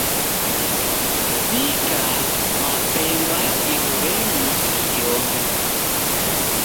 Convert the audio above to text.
W'ika mabemba iruwenyi ghiome